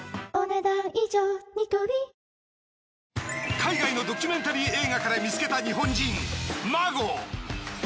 海外のドキュメンタリー映画から見つけた日本人ＭＡＧＯ。